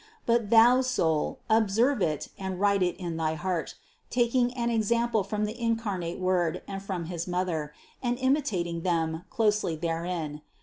But thou, soul, observe it and write it in thy heart, taking an example from the incarnate Word and from his Mother, and imitating Them closely therein.